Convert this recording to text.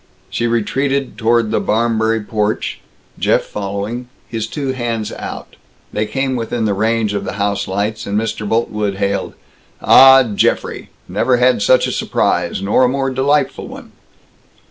She retreated toward the Barmberry porch, Jeff following, his two hands out. They came within the range of the house lights, and Mr. Boltwood hailed, "Ah! Geoffrey! Never had such a surprise nor a more delightful one!"